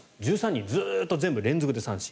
１３人ずっと全部連続で三振。